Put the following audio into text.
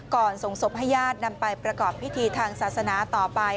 ส่งศพให้ญาตินำไปประกอบพิธีทางศาสนาต่อไป